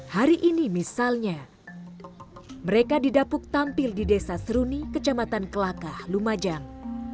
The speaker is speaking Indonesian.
hari ini misalnya mereka didapuk tampil di desa seruni kecamatan kelakah lumajang